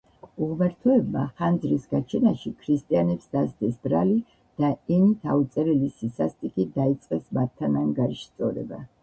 უღმრთოებმა ხანძრის გაჩენაში ქრისტიანებს დასდეს ბრალი და ენით აუწერელი სისასტიკით დაიწყეს მათთან ანგარიშსწორება.